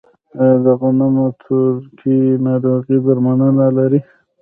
آیا د غنمو تورکي ناروغي درملنه لري؟